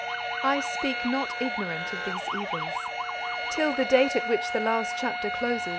I speak not ignorant of these evils. Till the date at which the last chapter closes, M.